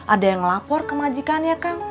ada yang lapor ke majikan ya kang